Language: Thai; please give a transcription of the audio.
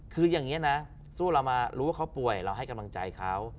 คืออย่างนี้นะสู้เรามารู้ว่าเขาป่วยเราให้กำลังใจเขา